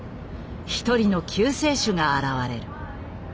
一人の救世主が現れる。